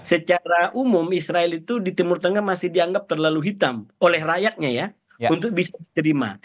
secara umum israel itu di timur tengah masih dianggap terlalu hitam oleh rakyatnya ya untuk bisa diterima